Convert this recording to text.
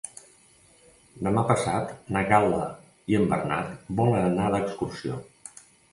Demà passat na Gal·la i en Bernat volen anar d'excursió.